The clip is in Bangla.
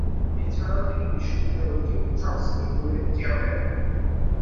এছাড়া তিনি বিশ্ববিদ্যালয়টির ট্রাস্টি বোর্ডের চেয়ারম্যান।